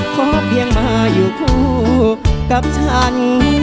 ขอเพียงมาอยู่คู่กับฉัน